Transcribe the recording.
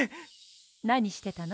なにしてたの？